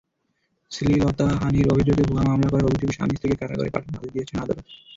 শ্লীলতাহানির অভিযোগে ভুয়া মামলা করার অভিযোগে স্বামী-স্ত্রীকে কারাগারে পাঠানোর আদেশ দিয়েছেন আদালত।